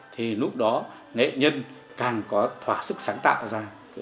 thì lúc đó nghệ nhân càng có thỏa sức sáng tạo ra